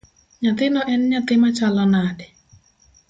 Nyathino en nyathi machalo nade?